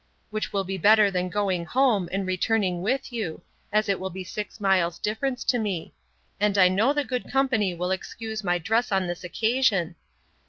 '—which will be better than going home, and returning with you; as it will be six miles difference to me; and I know the good company will excuse my dress on this occasion.